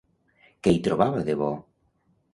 Què hi trobava de bo?